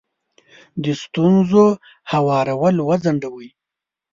د ستونزو هوارول وځنډوئ.